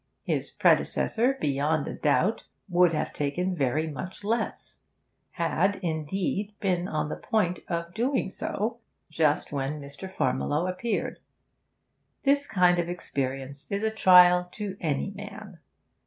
His predecessor, beyond a doubt, would have taken very much less; had, indeed, been on the point of doing so just when Mr. Farmiloe appeared. This kind of experience is a trial to any man.